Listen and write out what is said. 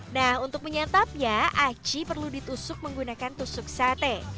nah untuk menyantapnya aci perlu ditusuk menggunakan tusuk sate